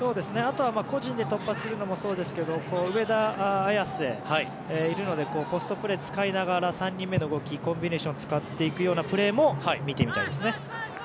あとは個人で突破するのもそうですけど上田綺世がいるのでポストプレーを使いながら３人目の動きコンビネーションを使っていくプレーも見てみたいですね。